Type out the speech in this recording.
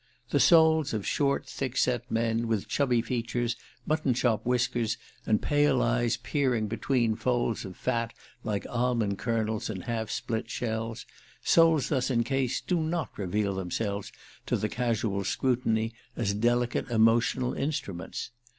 The souls of short thick set men, with chubby features, mutton chop whiskers, and pale eyes peering between folds of fat like almond kernels in half split shells souls thus encased do not reveal themselves to the casual scrutiny as delicate emotional instruments.